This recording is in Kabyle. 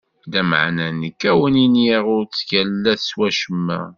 Lameɛna, nekk ad wen-iniɣ: ur ttgallat s wacemma.